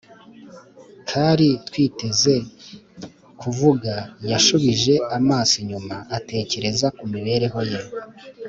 Kari twigeze kuvuga yashubije amaso inyuma atekereza ku mibereho ye